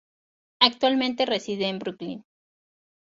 Actualmente reside en Brooklyn.